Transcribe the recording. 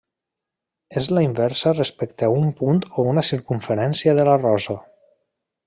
És la inversa respecte a un punt o una circumferència de la rosa.